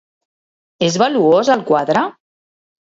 És valuós el quadre?